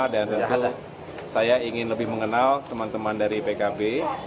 dan tentu saya ingin lebih mengenal teman teman dari pkb